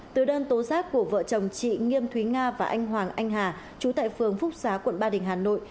từ đơn tố giác của vợ chồng chị nghiêm thúy nga và anh hoàng anh hà chú tại phường phúc xá quận ba đình hà nội